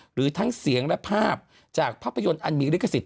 หรือทั้งเสียงและภาพจากภาพไพยนอ์อะลามีลิขสิทธิ์